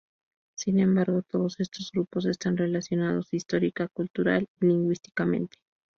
Sin embargo, todos estos grupos están relacionados histórica, cultural y lingüísticamente.